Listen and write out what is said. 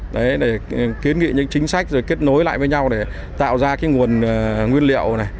để kiến nghị những chính sách rồi kết nối lại với nhau để tạo ra nguồn nguyên liệu